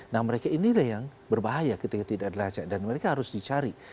nah mereka inilah yang berbahaya ketika tidak dilacak dan mereka harus dicari